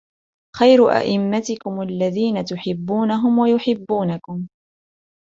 خَيْرُ أَئِمَّتِكُمْ الَّذِينَ تُحِبُّونَهُمْ وَيُحِبُّونَكُمْ